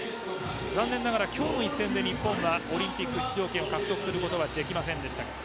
残念ながら今日の一戦で日本はオリンピック出場権を獲得することはできませんでした。